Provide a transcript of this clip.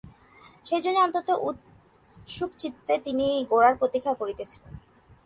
সেইজন্যই অত্যন্ত উৎসুকচিত্তে তিনি গোরার প্রতীক্ষা করিতেছিলেন।